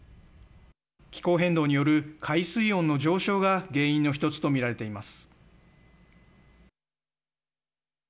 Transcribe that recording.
気候変動による海水温の上昇が原因の１つと見られています。